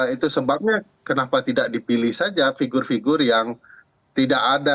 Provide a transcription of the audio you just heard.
itu sebabnya kenapa tidak dipilih saja figur figur yang tidak ada